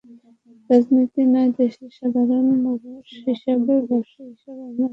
রাজনীতি নয়, দেশের সাধারণ মানুষ হিসেবে, ব্যবসায়ী হিসেবে আমরা আপনাদের পাশে আছি।